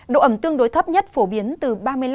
độ ẩm tương đối thấp nhất phổ biến từ ba mươi năm bốn mươi